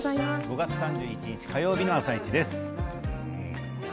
５月３１日火曜日の「あさイチ」です。